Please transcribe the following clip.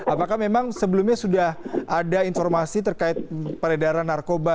apakah memang sebelumnya sudah ada informasi terkait peredaran narkoba